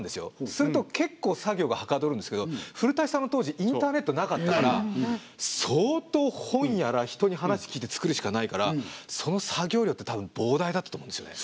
すると結構作業がはかどるんですけど古さんの当時インターネットなかったから相当本やら人に話聞いて作るしかないからその作業量ってたぶん膨大だったと思うんですよね。